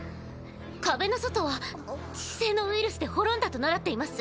壁の外は致死性のウイルスで滅んだと習っています。